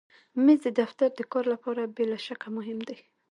مېز د دفتر د کار لپاره بې له شکه مهم دی.